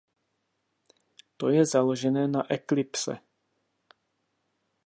To je založené na Eclipse.